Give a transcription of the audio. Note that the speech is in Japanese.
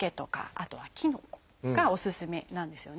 あとはきのこがおすすめなんですよね。